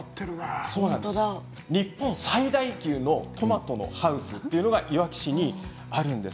日本最大級のトマトのハウスが、いわき市にあるんです。